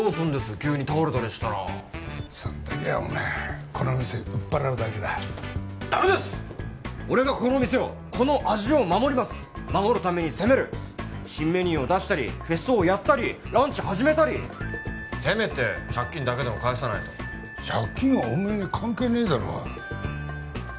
急に倒れたりしたらそん時はお前この店売っぱらうだけだダメです俺がこの店をこの味を守ります守るために攻める新メニューを出したりフェスをやったりランチ始めたりせめて借金だけでも返さないと借金はおめえに関係ねえだろ